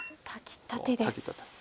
炊きたてです。